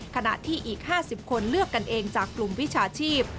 ขณะที่อีก๕๐คนเลือกกันเองจากกลุ่มวิชาชีพ